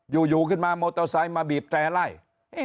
อยู่ขึ้นมามอเตอร์ไซค์มาบีบแตร่ไล่